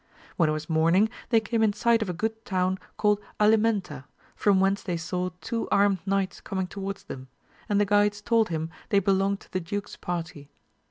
When it was morning, they came in sight of a good town called Alimenta, from whence they saw two armed knights coming towards them, and the guides told him they belonged to the duke's party.